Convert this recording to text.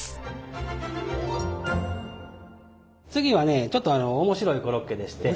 次はねちょっと面白いコロッケでして。